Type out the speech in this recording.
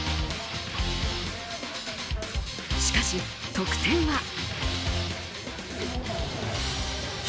しかし、得点は。